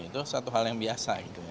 itu satu hal yang biasa